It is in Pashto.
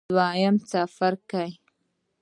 دویم څپرکی